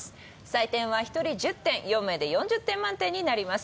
採点は１人１０点４名で４０点満点になります